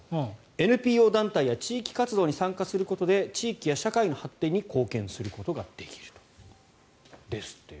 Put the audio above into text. ＮＰＯ団体や地域活動に参加することで地域や社会の発展に貢献することができるですってよ。